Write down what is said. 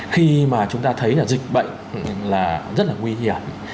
khi mà chúng ta thấy là dịch bệnh là rất là nguy hiểm